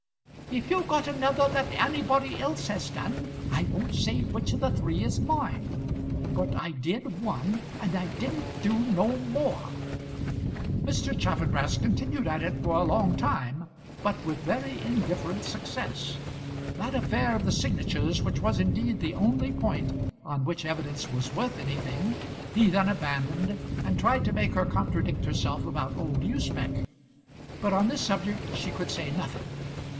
"If you've got another that anybody else has done, I won't say which of the three is mine. But I did one, and I didn't do no more." Mr. Chaffanbrass continued at it for a long time, but with very indifferent success. That affair of the signatures, which was indeed the only point on which evidence was worth anything, he then abandoned, and tried to make her contradict herself about old Usbech. But on this subject she could say nothing.